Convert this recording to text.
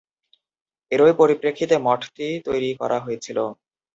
এরই পরিপ্রেক্ষিতে মঠটি তৈরি করা হয়েছিল।